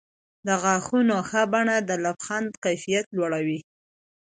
د غاښونو ښه بڼه د لبخند کیفیت لوړوي.